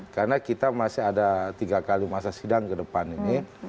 karena kita masih ada tiga kali masa sidang ke depan ini